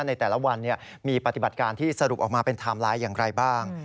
ในแต่ละวันมีปฏิบัติการที่สรุปออกมาเป็นไทม์ไลน์อย่างไรบ้าง